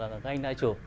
và là cái anh đã chụp